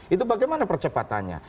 itu bagaimana percepatannya